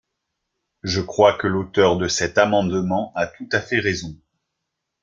Je crois que l’auteure de cet amendement a tout à fait raison.